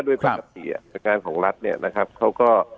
ด้วยปกติอาการของรัฐเนี่ยนะครับเขาก็